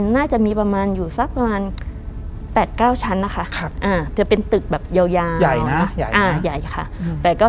น่าจะมีประมาณอยู่สักประมาณ๘๙ชั้นนะคะจะเป็นตึกแบบยาวใหญ่นะใหญ่ค่ะ